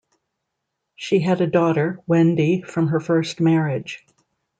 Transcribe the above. She had a daughter, Wendy, from her first marriage.